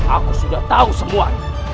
aku sudah tahu semuanya